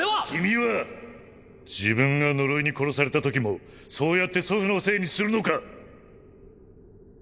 君は自分が呪いに殺されたときもそうやって祖父のせいにするのか？